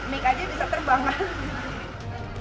mik aja bisa terbang kan